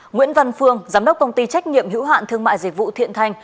nguyễn văn phương giám đốc công ty trách nhiệm hữu hạn thương mại dịch vụ thiện thành